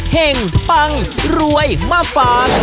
เฮ่งปังรวยมาฟาง